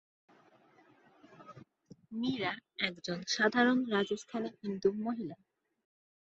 মীরা একজন সাধারণ রাজস্থানী হিন্দু মহিলা।